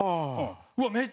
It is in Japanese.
うわっ